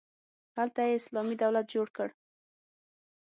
هلته یې اسلامي دولت جوړ کړ.